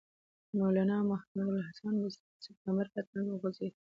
مولنا محمود الحسن د سپټمبر پر اتلسمه وخوځېد.